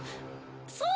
そう！